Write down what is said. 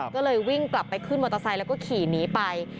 ก็เลยวิ่งกลับไปขึ้นมอเตอร์ไซค์แล้วก็ขี่หนีไป